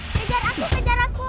kejar aku kejar aku